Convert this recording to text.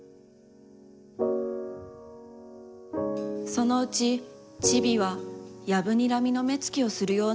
そのうち、ちびはやぶにらみの目つきをするようになりました。